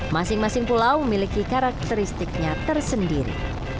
masing masing pulau memiliki karakteristiknya tersendiri